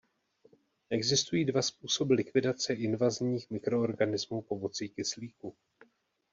Existují dva způsoby likvidace invazních mikroorganismů pomocí kyslíku.